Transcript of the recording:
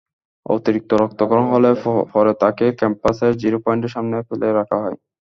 অতিরিক্ত রক্তক্ষরণ হলে পরে তাঁকে ক্যাম্পাসের জিরো পয়েন্টের সামনে ফেলে রাখা হয়।